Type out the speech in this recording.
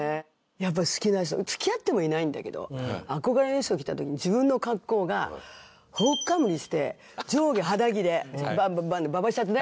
やっぱり好きな人付き合ってもいないんだけど憧れの人が来た時に自分の格好が頬かむりして上下肌着でババシャツね。